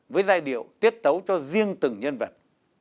với giai điệu tiết tấu cho riêng từng nhân vật